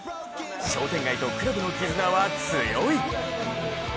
商店街とクラブの絆は強い！